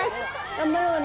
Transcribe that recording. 頑張ろうね。